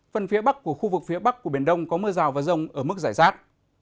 phần phía bắc của khu vực phía bắc của biển đông có mưa rào và rông ở mức giải rác